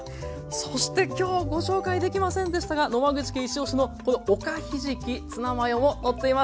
そしてきょうご紹介できませんでしたが野間口家いちおしのこのおかひじきツナマヨも載っています。